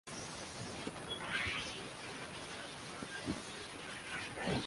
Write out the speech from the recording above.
She and many others were murdered there.